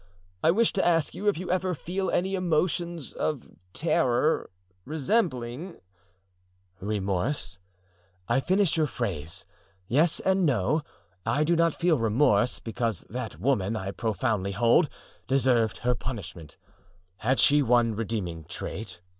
"I wished to ask you if you ever feel any emotions of terror resembling——" "Remorse! I finish your phrase. Yes and no. I do not feel remorse, because that woman, I profoundly hold, deserved her punishment. Had she one redeeming trait?